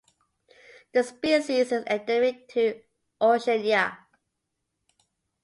The species is endemic to Oceania.